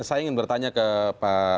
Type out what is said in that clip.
coba saya ingin bertanya ke pak firdaus